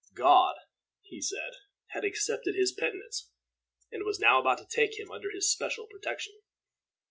God, he said, had accepted his penitence, and was now about to take him under his special protection.